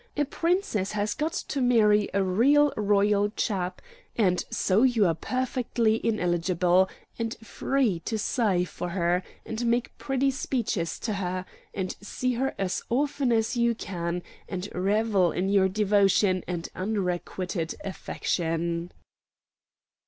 A Princess has got to marry a real royal chap, and so you are perfectly ineligible and free to sigh for her, and make pretty speeches to her, and see her as often as you can, and revel in your devotion and unrequited affection."